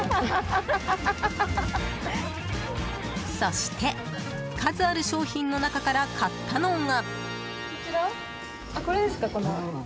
そして、数ある商品の中から買ったのが。